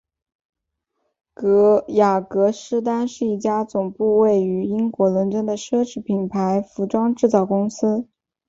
雅格狮丹是一家总部位于英国伦敦的奢侈品牌服装制造公司。